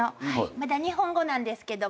まだ日本語なんですけども。